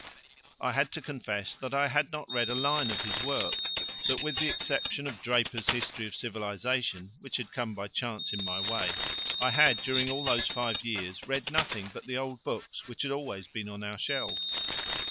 I had to confess that I had not read a line of his work, that with the exception of Draper's History of Civilisation, which had come by chance in my way, I had during all those five years read nothing but the old books which had always been on our shelves.